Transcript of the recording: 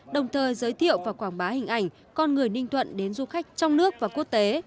đồng thời giới thiệu và quảng bá hình ảnh con người ninh thuận đến du khách trong nước và quốc tế